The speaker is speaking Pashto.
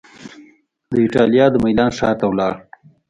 د ایټالیا د میلان ښار ته ولاړ